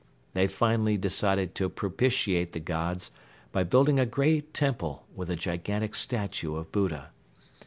They finally decided to propitiate the gods by building a great temple with a gigantic statue of Buddha.